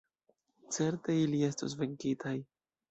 Certe ili estos venkitaj.